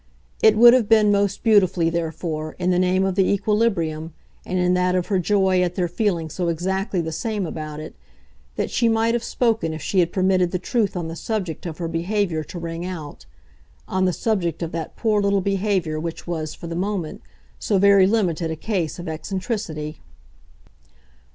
It would have been most beautifully, therefore, in the name of the equilibrium, and in that of her joy at their feeling so exactly the same about it, that she might have spoken if she had permitted the truth on the subject of her behaviour to ring out on the subject of that poor little behaviour which was for the moment so very limited a case of eccentricity.